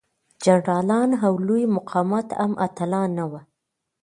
جنرالان او لوی مقامات هم اتلان نه وو.